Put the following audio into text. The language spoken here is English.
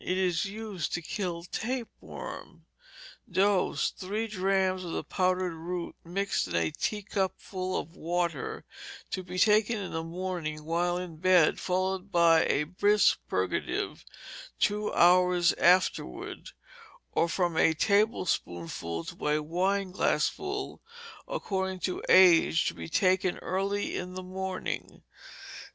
It is used to kill tapeworm. Dose, three drachms of the powdered root mixed in a teacupful of water, to be taken in the morning while in bed, and followed by a brisk purgative two hours afterwards; or from a tablespoonful to a wineglassful, according to age, to be taken early in the morning.